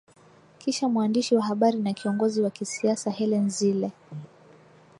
Kisha mwandishi wa habari na kiongozi wa kisiasa Helen Zille